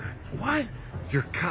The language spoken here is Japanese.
はい。